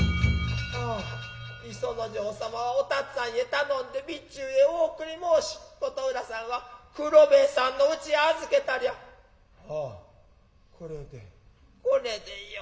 ア磯之丞様はお辰っつぁんへ頼んで備中へお送り申し琴浦さんは九郎兵衛さんの家へ預けたりゃアアこれでこれでようよう落ち着いた。